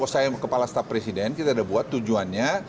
saya kepala staf presiden kita sudah buat tujuannya